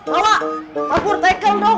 salah abur tackle dong